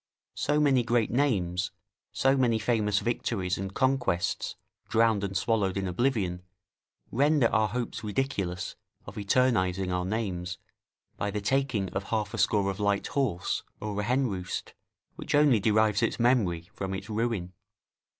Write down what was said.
So many great names, so many famous victories and conquests drowned and swallowed in oblivion, render our hopes ridiculous of eternising our names by the taking of half a score of light horse, or a henroost, which only derives its memory from its ruin.